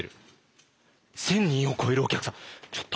１，０００人を超えるお客さんちょっとあらら。